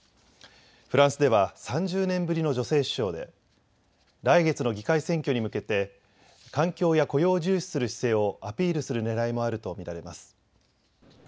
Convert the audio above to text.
フランスでは３０年ぶりの女性首相で来月の議会選挙に向けて環境や雇用を重視する姿勢をアピールするねらいもあると見られます。